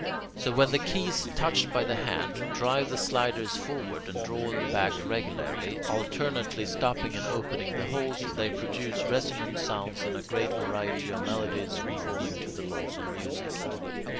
So, when the keys, touched by the hand, drive the sliders forward and draw them back regularly, alternately stopping and opening the holes, they produce resonant sounds in a great variety of melodies conforming to the laws of music.